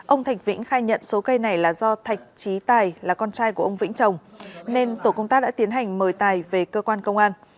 ông thạch vĩnh khai nhận số cây này là do thạch trí tài là con trai của ông vĩnh trồng nên tổ công tác đã tiến hành mời tài về cơ quan công an